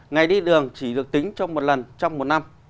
ngày đi đường chỉ được tính trong một lần trong một năm